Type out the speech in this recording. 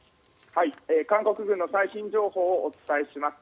韓国軍の最新情報をお伝えします。